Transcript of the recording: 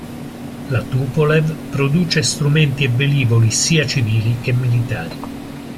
La Tupolev produce strumenti e velivoli sia civili che militari.